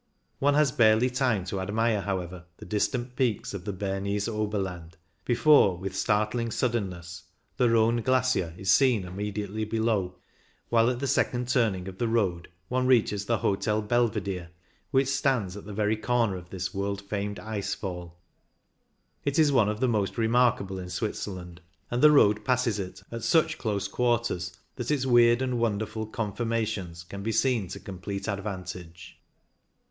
One has barely time to admire, however, the distant peaks of the Bernese Oberland before, with startling suddenness, the Rhone Glacier is seen immediately below, while at the second turning of the road one reaches the Hotel Belvidere, which stands at the very corner of this world famed ice fall. It is one of the most remarkable in Switzerland, and the road passes it at such close quarters that its weird and wonderful conformations can be seen to complete advantage.